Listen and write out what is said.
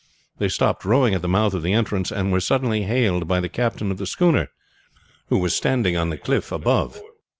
They stopped rowing at the mouth of the entrance, and were suddenly hailed by the captain of the schooner, who was standing on the cliff above.